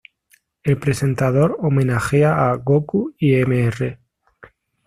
El Presentador homenajea a Gokū y Mr.